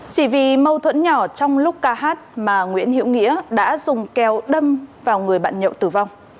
chỉ vì mâu thuẫn nhỏ trong lúc ca hát mà nguyễn hiệu nghĩa đã dùng kéo đâm vào người bạn nhậu tử vong